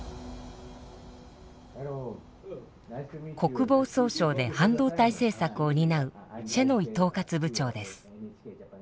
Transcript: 国防総省で半導体政策を担うシェノイ統括部長です。